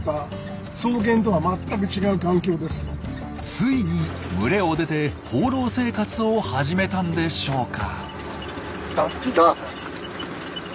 ついに群れを出て放浪生活を始めたんでしょうか？